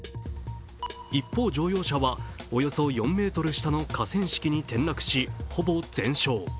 一方、乗用車はおよそ４ｍ下の河川敷に転落し、ほぼ全焼。